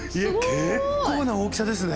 結構な大きさですね。